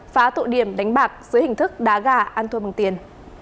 phá tụ điểm đánh bạc dưới hình thức đá gà ăn thua bằng tiền